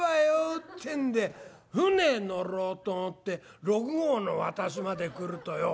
ってんで舟乗ろうと思って六郷の渡しまで来るとよ